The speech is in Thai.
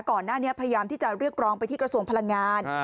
ก่อนหน้านี้พยายามที่จะเรียกรองไปที่กระทรวงพลังงาน